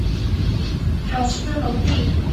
卡斯蒂隆。